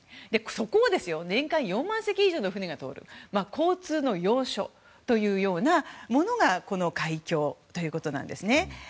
そこを、年間４万隻以上の船が通る交通の要所というようなものが海峡ということなんですね。